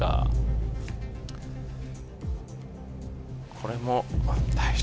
これも。